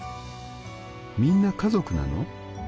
『みんな家族なの？』